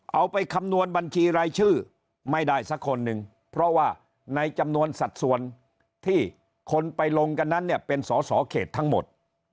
เอาไปคำนวณบัญชีรายชื่อไม่ได้สักคนหนึ่งเพราะว่าในจำนวนสัดส่วนที่คนไปลงกันนั้นเนี่ยเป็นสอสอเขตทั้งหมด